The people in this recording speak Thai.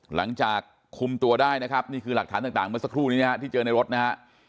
หลังจากคุมตัวได้นะครับนี่คือหลักฐานต่างเมื่อสักครู่นี้นะฮะที่เจอในรถนะฮะ